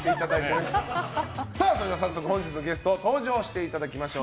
さあ、早速本日のゲストに登場していただきましょう。